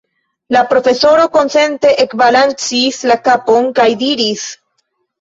La profesoro konsente ekbalancis la kapon kaj diris: